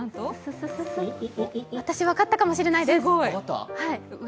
私、分かったかもしれないです。